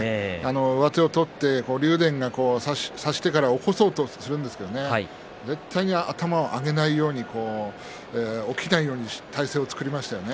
上手を取って竜電が差してから起こそうとするんですけどね絶対に頭を上げないように起きないように体勢を作りましたよね